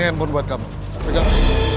handphone buat kamu pegang